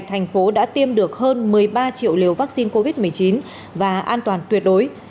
thành phố đã tiêm được hơn một mươi ba triệu liều vaccine covid một mươi chín và an toàn tuyệt đối